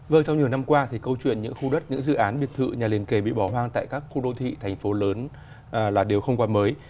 vâng trong nhiều năm qua thì câu chuyện những khu đất những dự án biệt thự nhà liên kề bị bỏ hoang tại các khu đô thị thành phố lớn là điều không qua mới